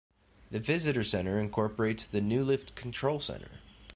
The visitor centre incorporates the new lift control centre.